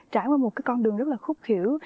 trải qua một con đường rất là khúc hiểu